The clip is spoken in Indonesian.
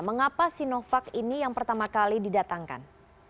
mengapa sinovac ini yang pertama kali didatangkan